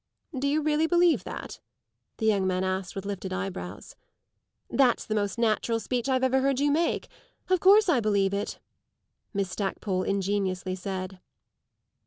"Do you really believe that?" the young man asked with lifted eyebrows. "That's the most natural speech I've ever heard you make! Of course I believe it," Miss Stackpole ingeniously said.